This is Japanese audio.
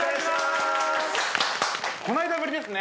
この間ぶりですね。